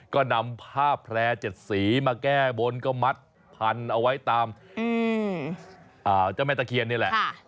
ก็นำผ้าแพร่๗สีมาแก้บนก็มัดพันเอาไว้ตามเจ้าแม่ตะเคียนนี่แหละ